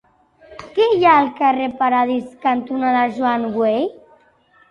Què hi ha al carrer Paradís cantonada Joan Güell?